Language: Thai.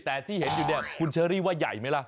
แต่ที่เห็นอยู่เนี่ยคุณเชอรี่ว่าใหญ่ไหมล่ะ